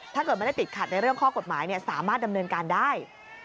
ถ้าเกิดไม่ได้ติดขัดในเรื่องข้อกฎหมายสามารถดำเนินการได้